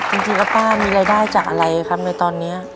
จริงแล้วป้ามีรายได้จากอะไรครับในตอนนี้